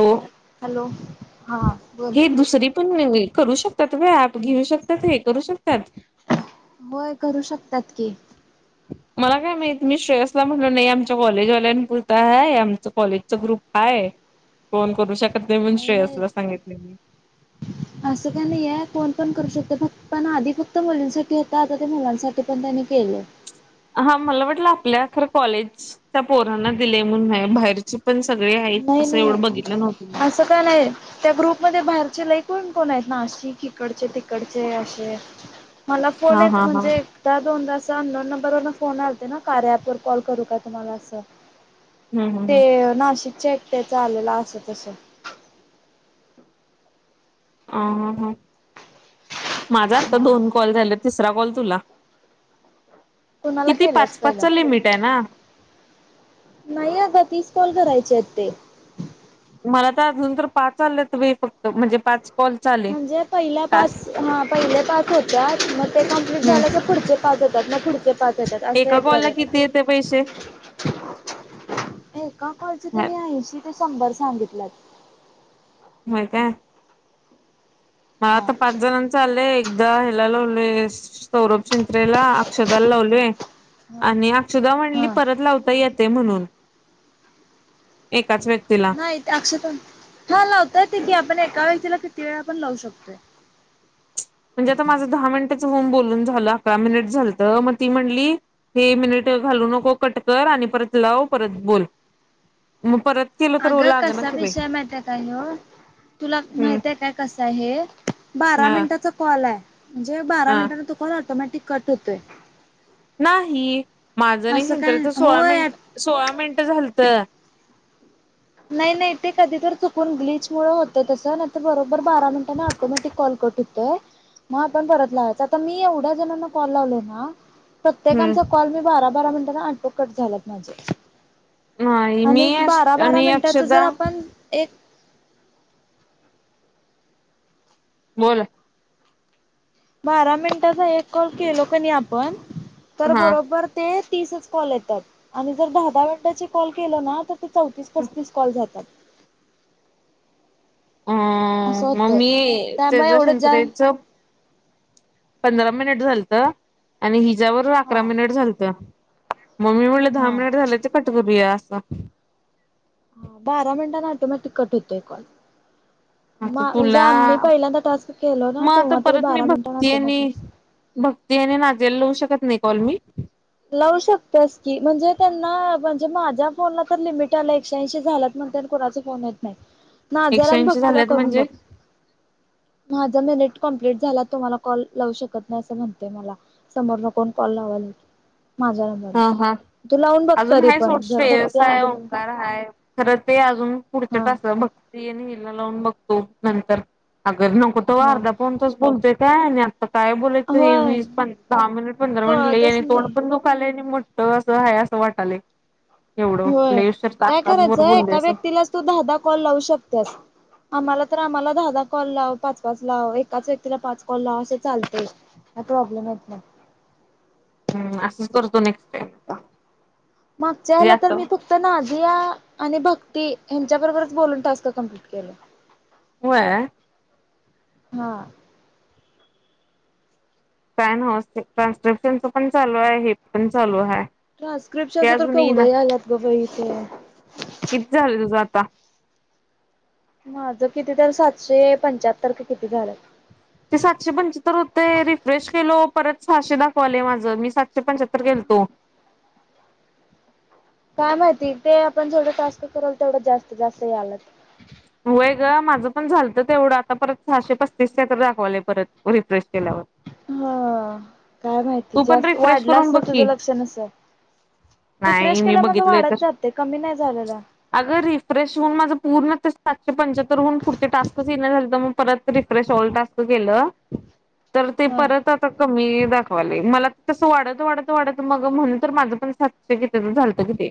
हो हॅलो हा बोल हे दुसरी पण करू शकतात व्या घेऊ शकतात हे करू शकतात होय करू शकतात की मला काय माहिती, मी श्रेयसला म्हटल नाही आमच्या कॉलेजवाल्यांनी पुरत आहे, आमचं कॉलेजचा ग्रुप हाय, कोन करू शकत नाही म्हनून श्रेयसला सांगितले असं काही नाही आहे, कोण पण करू शकत, फक्त पण आधी फक्त मुलींसाठी होत, आता ते मुलांसाठी पण त्यांनी केलंय हा, मला वाटलं आपल्या खर कॉलेजच्या पोरांना दिले, म्हण बाहेरचे पण सगळे आहेत, असं एवढं बघितलं नव्हतं तं का नाही त्या ग्रुप मध्ये बाहेरचे लई कोण कोण आहेत नाशिक अशी इकडचे तिकडचे असे मला फोन हा येत हा हा म्हणजे एकदा दोनदा अंनौन नंबरवर फोन आलते ना कार्या ऍप वर कॉल करू का तुम्हाला असं हम्म हम्म ते हम्म नाशिकच्या एकट्याच आलेलं असं, तसं हां, हां, हां माझा आत्ता हा दोन कॉल झालेत तिसरा कॉल तुला कुणाला किती? केल्यास पाच पहिला पाचच लिमिट आहे ना नाही अग तीस कॉल करायचेत आहेत ते मला तर अजून तर पाच आलेत बई फक्त, म्हणजे पाच कॉल आले. म्हणजे पहिल्या टास्क पाच हा पहिले पाच होत्या मग ते कमप्लीट झाल्या हम्म तर पुढचे पाच होतात पुढचे पाच येतात असं एका येत कॉलला जातात किती येते पैसे एका कॉलच त्यांनी ऐंशी ते शंभर सांगितलंत माहितीय हा आता पाच जणांचं आलंय एकदा हला लावलोय सौरभ चिच्रेला अक्षदाला लावलय हा आणि अक्षदा म्हणली हा परत लावता येतय म्हणून एकाच व्यक्ती नाही ते अक्षतः हा लावता येतंय की आपण एका व्यक्तीला किती वेळा आपण लावू शकतोय म्हणजे आता माझं दहा मिनिटेच होऊन बोलून झालंतं आता अकरा मिनिट झालत मग ती म्हणली हे मिनिट घालू नको कट कर आणि परत लाव परत बोल मग परत केलं तर अगं लाग ना कसा की बाई विषय माहिती आहे का ह्यो तुला हम्म माहित आहे काय कस आहे हे बारा ह मिनटाच कॉल आहे म्हणजे बारा ह मिनिटांने तू कॉल ऑटोमॅटिक कट होतोय नाही माझं आणि असं चिंक्रे काय तर सोळा होय मिनिट सोळा मिनिट झालत नाही, नाही ते कधी तर चुकून ब्लीच मुळ होतं तसं नाही बरोबर बारा मिनटांने ऑटोमॅटिक कॉल कट हो आपण परत लावायचं आता मी एवढ्या जणांना कॉल लावलो ना प्रत्येकांच हम्म कॉल मी बारा, बारा मिनटांना ऍटो कट झाला माझे नाही आणि मी अस बारा बारा मिनटाचं जर आपण एक बोला. बारा मिनिटाचा एक कॉल केलो कणी आपण तर हा बरोबर. ते तीसच कॉल येतात आणि जर दहा दहा मिनटाची कॉल केलं ना तर. ते चौतीस पस्तीस कॉल जातात. ह असं मग होतंय मी त्यामुळे तेच एवढं जा शंकरेच. पंधरा मिनिट झालत आणि हिच्यावर अकरा हा मिनिट झालत. मग मी म्हणलं दहा हा मिनिट झालेच कट करूया अस. हा बारा मिनिटांना ऑटोमॅटिक कट होतोय कॉल. आता बा म्हणजे तुला आम्ही पहिल्यांदा टास्क केलो ना मग आता तेव्हा तरी परत मी बारा मिनीटांनी भक्ती ऍटोमॅटिक. आणि भक्ती आणि नाजी याला लावू शकत नाही कॉल मी. लावू शकतेस की म्हणजे त्यांना म्हणजे माझ्या फोनला तर लिमिट आलं एकश्याऐंशी झाल्यात. म्हणत्यात कोुणाचा फोन येत नाही नाजला एकशे आणि ऐंशी भक्ती ला झाल्यात करून म्हणजे बघ. माझं मेनेट कंप्लीट झाला तु म्हाला कॉल लावू शकत नाही असं म्हणतय मला असं. समोर नकोन कॉल लावाल की. माझ्या नंतर. हा हा, अजून हाय सोड जर श्रेयश भक्ती आहे अंजली ओंकार आहे खरं ते अजून पुढच्या हा तासला बघ. ती हिला लावून बघतो नंतर अग नको तवा हा अर्धा पोण तास बोलतय काय आणि आ''--'' काय बोयचं हे होय वीस दहा मिनिट पंधरा मिनिट लई कळतच आणि तोड नाही. पण दू ''--'' खले आणि मोठ असं आहे असं वाटले. एवढ होय लई उशीर तास काय तास भर करायचंय बोलले एका असं. व्यक्तीलाच तू दहादा कॉल लावू शकतेस. आम्हाला तर आम्हाला दहा दहा कॉल लाव पाच पाच लाव एकाच व्यक्तीला पाच कॉल लाव असे चालतेय. आता प्रॉब्लेम येत नाही. हम्म असंच करतो नेक्स्ट टाइम ला. मागच्या याला तर मी को ''--'' तर नाजी या आणि भक्ती यांयांच्या बरोबरच बोलून टास्क कम्प्लीट केलं. होय. हा, काय नवचं ते ट्रान्स्क्रिप्शनच पण चालू आहे हे पण चालू आहे. ट्रान्स्क्रिप्शनच तर केवढे आल्यात ग बाई ते. किती झालंय तुझं आता. माझं किती तर सातशे पंच्याहत्तर क किती झालं. ते सातशे पंच्याहत्तर होते रिफ्रेश केलो परत सहाशे दाखवाले माझं मी सातशे पंच्याहत्तर केलतो. काय माहिती ते आपण जेवढं टास्क करवल तेवढं जास्त जास्त यायल लागत. [inaudible] होय ग माझं पण झालतं तेवढं आता परत सहाशे पस्तीस काय तर दाखवालेय परत रिफ्रेश केल्यावर. ह काय माहिती तू पण जास्त रिफ्रेश वाढलं करून बघ असेल तुझं की लक्षण असल. नाही रिफ्रेश मी केला माझ बघितलंय वाढत तर जाते कमी नाही झालेला. अगं रिफ्रेश होऊन माझं पूर्ण ते सातशे पंच्याहत्तर होऊन पुढ टास्कच ये नाही झालतं मग. परत रि्रेश ऑल टास्क केलं तर ते हा. परत. कमी दाखवाले मला तसं वाढत वाढत वाढत मग म्हण तर माझं पण सातशे किती झालतं कितीे.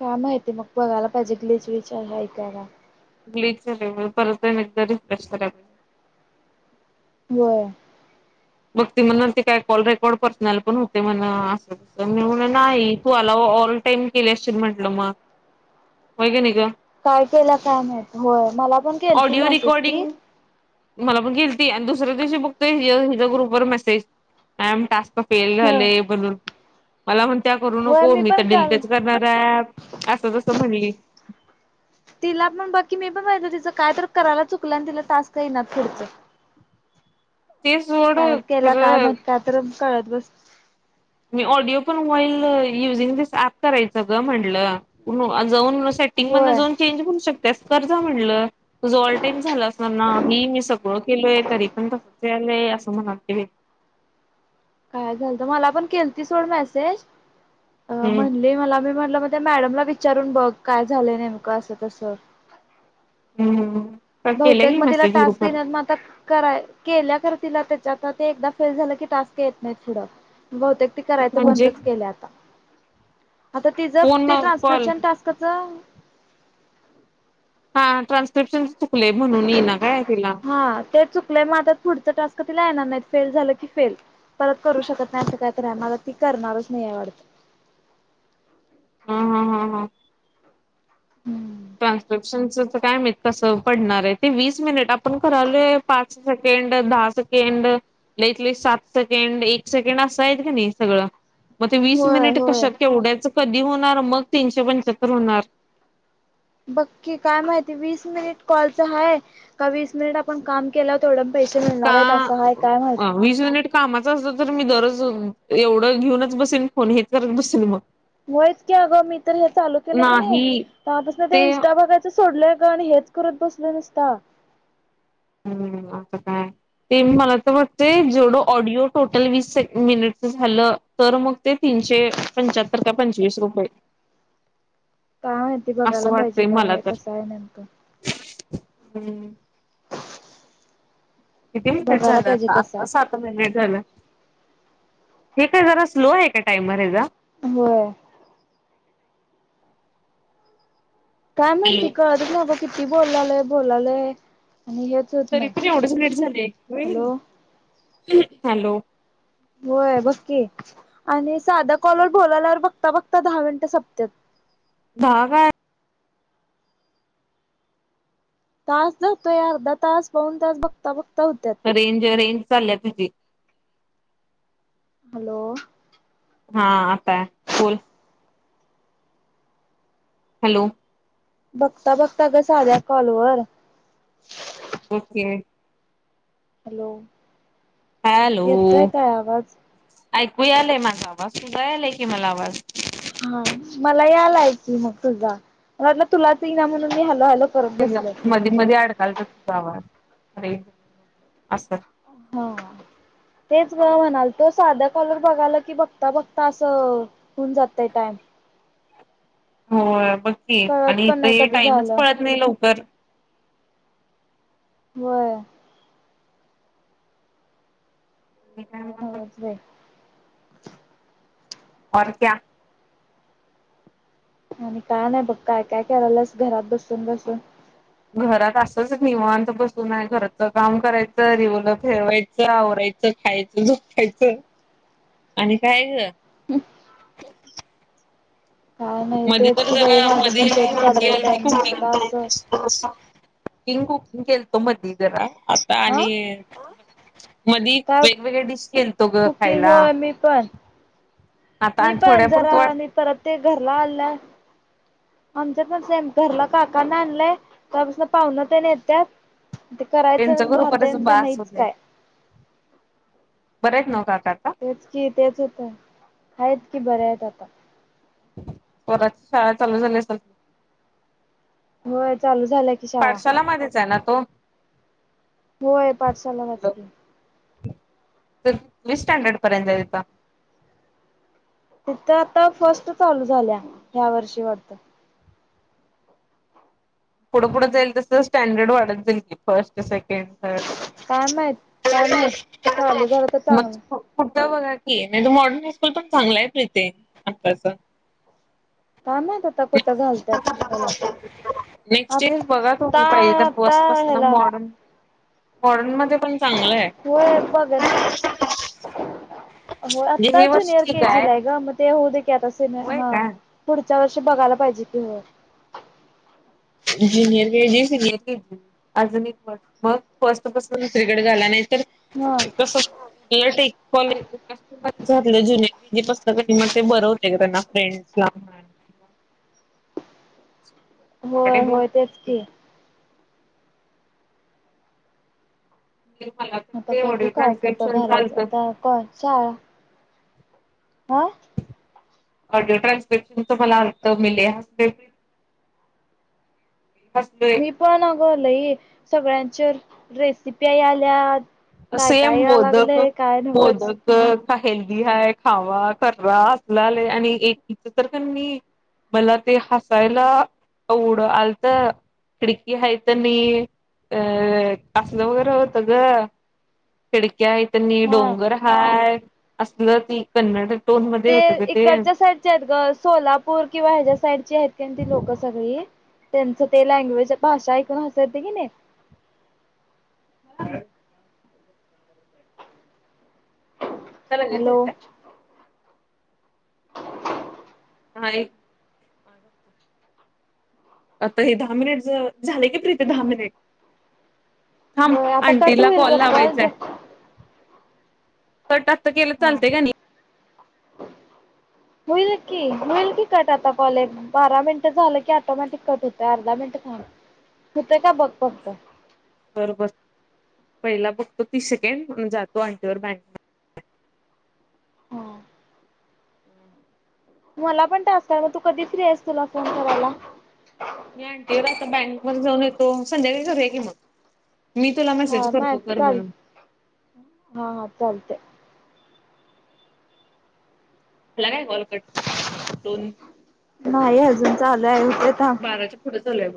का माहितय मग बघाला पाहिजे गलेच विचार आहे का त्याला. क्लिक झालाय ना परत एकदा रिफ्रेश करेल. होय. मग ती म्हणालती, काय कॉल रेकॉर्ड पर्सनल पण होतय म्हण, असं -तसं म्हणालती, मी म्हटलं नाही तू आलाऊ ऑल टाईम केले अशील म्हटल मग, होय की नाही गं काय केल्या काय माहित? होय मला पण केलती ऑडिओ मेसेज ती. रेकॉर्डिंग मला पण केलती आणि दुसऱ्या दिवशी बघतोय हिच्या हिचा ग्रुपवर message I am task fail हं. झाले म्हणून, मला म्हणत्या करू होय नको मी पण तर काल डिलटच करणार आहे ऍप. असं तसं म्हणली. तिला पण बघ की, मी पण बघीतल तिचं काय तर करायला चुकलं आणि तिला टास्क येईना पुढचं. ते सोड काय केल्या काय खरं माहित, काय तर कळत बस मी ऑडिओ पण व्हाईल युजिंग धीस ॲप करायच ग म्हटलं जाऊन सेटिंग मधनं होय. जाऊन चेंज करु शकत्यास, कर जा म्हटलं. तुझं ऑल टाईम झाला असणार, नाही मी सगळं केलोय तरी पण तसंच यालंय असं म्हणालती बाई. काय झाल तर, मला पण केलती सोड मेसेज हम्म म्हणली मला मी म्हटलं त्या मॅडमला विचारून बघ, काय झालंय नेमकं? असं तसं. हम्म्म बहुतेक मग तीला येईनात म आत् ता कराय केल्या खरं, तिला त्याच्या आता ते एकदा फेल झालं की टास्क येत नाही पुढं. बहुतेक ती करायचं म्हणजे बंदच केल्या आता. आता तिचं फोन ते कॉल ट्रान्स्क्रिप्शन टास्कच हा ट्रान्स्क्रिप्शन चुकलेय म्हणून येईना काय तिला? हा ते चुकलंय मग आाता ते पुढच टास्क तिला येणार नाहीत, फेल झालं की फेल. परत करू शकत नाही, असं कायतरी आहे वाटतं, मग आता ती करणारच नाही वाटतं. ह हा हा हा हम्म ट्रान्सक्रिप्शन काय माहित कसं पडणार आहे ते, वीस मिनिट आपण करायलोय पाच सेकंड, दहा सेकेंड लईत लई सात सेकंड, एक सेकंड असं आहे का नाही सगळं. म ते वीस होय मिनिट होय कशात केवढ्यायचं कधी होणार मग तीनशे पंच्याहत्तर होणार बघ की काय माहिती, वीस मिनिट कॉलच आहे का वीस मिनिट आपण काम केलाव तेवडं पैसे मिळणार आहेत का असं आहे काय माहित? वीस मिनिट कामाच असत तर मी दररोज एवढं घेऊनच बसेन, फोन हेच करत बसेल मग. होयच की अगं, मी तर हे चालू केलंय की नाही तवापासनं ते इनस्टा बघा यचं सोडलोय अगं आणि हेच करत बसले नुसता. हम्म आता काय? ते मला तर वाटतय, जेवढं ऑडिओ टोटल वीस सेक् मिनिटच झालं. तर मग ते तीनशे पंचाहत्तर का, पंचवीस रुपये. काय आहे ते असं बघायला पाहिजे, वाटतंय काय मला आहे तर कसं आहे नेमकं? हम्म किती मिनिट बघायला झालं पाहिजे आता, कसं आता आहे. सात मिनिट झालं, हे काय जरा स्लो आहे का टाइमर हेचा? होय काय माहिती हॅलो कळतच नाही अगं, किती बोलालय बोलालय आणि हेच होत तरी नाही पण एवढंच लेट झाले व्हय, हॅलो हॅलो होय बघ की, आणि साध्या कॉलवर बोलाल्यावर बघता बघता दहा मिनिटं सपत्यात. दहा काय तास जतोय, अर्धा तास, पाऊन तास बघता बघता होत्यात. रेंज रेंज चाल्या तुझी. हॅलो! हा आत हाय बोल. हॅलो! बघता बघता गं साध्या कॉलवर ओके. हॅलो! हॅलो! येतोय काय आवाज? ऐकू यालय माझा आवाज, तुझा यालाय की मला आवाज. हा मला यालाय की मग तुझा मला वाटलं तुलाच ईना म्हणून मी हॅलो हॅलो करत [unintelligible] बसले. मधी मध्ये आडकालता तुझा आवाज रेज [unintelligible] आस. हा. तेच गं म्हणालतो साध्या कॉल वर बघाल की बघता बघता आसं हुन जातय टाइम. होय बघ की कळत आणि पण इथ नाही हे कधी टाइमच झालं. पळत नाही लवकर. व्हय. काय नव्हचं बाई. और क्या? आणि काय नाही बघ काय काय कराल्यास घरात बसून बसून? घरात असंच निवांत बसून हाय घरचं काम करायचं, रिवुला खेळवायचं, आवराय चं, खायचं, झोपायचं आणि काय गं? काय नाही मधी तेच तर की जरा बाई माझं पण तेच मधी चाललंय टाइम नुसता [inaudible] असं ढोसा किंग कुकिंग केलतो मधी जरा आस अं आणि मधी काय वेगवेगळे डिश केलतो गं कुकिंग खायला. होय मी पण आता मी आणि पण थोड्यापुरत जरा आणि वाटते परत ते घरला आला आमच्यात पण सेम घरला काकाना आणलंय तव्हापासन पाहुनतेन येत्यात ते त्यांचं करायचं राहतंय बरोबरच आणि ते बास नाहीच होतय काय बरे आहेत नव्ह काका आता? तेच कि तेच होत आहेत कि बरे आहेत आता. स्वरांची शाळा चालू झाली आसलं की? व्हय चालू झालंय पाठशालामध्येच आहे ना तो? होय पाठशाळालाच की. [unintelligible] स्टँडर्ड पर्यंत आहे आता? तिथं आता फर्स्ट चालू झाल्या ह्या वर्षी वाटत. पुढं पुढं जाईल तसं स्टँडर्ड वाढत जाईल की फर्स्ट, सेकंड. थर्ड काय माहीत काय माहीत चालू झाल तर चांगलं. पुढच बघा की नाही त मॉडर्न हायस्कूल पण चांगलहाय प्रिते आताचं. का माहीत आता कुठं घालत्यात त्याला. तेच बघा तुम्ही आता पाहिजे तर आता फस्टपासन ह्याला मॉडन मॉडन मध्ये पण चांगलं आहे होय बघते. होय म्हणजे आता हे वर्ष ज्युनियर ठीक के आहे जीला हाय ग म ते होऊदे की आता सिनि होय हा काय पुढच्या वर्षी बघायला पाहिजे की हो. Junior K G, senior K G, आजून एक वर्ष मग फस्टपसून दुसरीकडे घाला नाही तर हा कसं उलट [unintelligible] घातलं ज्युनियर के जी पासन कणी म ते बर होतय गं त्यांना फ्रेंडसला म्हणा अच्छ होय होय तेच की फ फ आता बघू काय कटं घालायचं आता कय ळा हा ऑडिओ ट्रान्स्प्रिपशनचा मला अर्थ मिलेल ह ते सु मी पण अगो लई सगळ्यांचे रेसिपी आल्या काय सेम काय या मोदक लागलंय काय नवच मोदक हेल्दी हाय खावा खरा असलं आलंय आणि एकीच तर पण नाही मला ते हसायला आवडं आलत खिडकी हाय तरनी अ असलं वगैरे होत ग खिडक्या आहे त्यांनी हा डोंगर हाय असलं ती कन्नड टोन मध्ये होत ग ते इकडच्या आहेत साईडचे ग सोलापूर किंवा ह्याच्या्या साईडची आहेत का ती लोकं सगळी त्यांचं ते लँग्वेज भाषा ऐकून हाय की नाही आता हॅलो लागेेतेत हा एक ह का आता हे दहा मिनिट झाले की प्रि ते दहा मिनिट थांब होय आता कट आंटीला होईल कॉल बघ लावायचाय त टासत केलं हा चालतय का नाही होईल की होईल की कट आता कॉले बारा मिनट झालं की ऑटोमॅटिक कट होतंय अर्धा मिनिट झालं होतं का बघ बघत बर ब पहिला बघतो तीस सेकंडण जातो आंटीवर बँड हा मला पण तास का मग तू कधी फ्री आहेस तुला फोन करायला मी आणंटीवर आता बँक व जाऊन येतो संध्याकाळी करूया की मग मी तुला हा मेसेज नाही करतो कर चाल म्हणून हा हा चालते झाला काय कॉलकट दोन नाही अजून चालय उ बाराच्या पुढे चालूय